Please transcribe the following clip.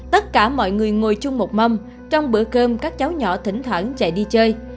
tất cả mọi người ngồi chung một mâm trong bữa cơm các cháu nhỏ thỉnh thoảng chạy đi chơi